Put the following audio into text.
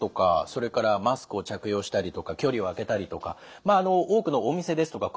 それからマスクを着用したりとか距離をあけたりとかまああの多くのお店ですとか